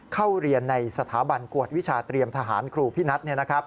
เข้าเรียนในสถาบันกวดวิชาเตรียมทหารครูพินัท